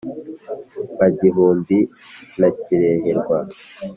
ba gihumbi na kireherwa